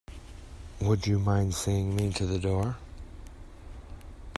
Would you mind seeing me to the door?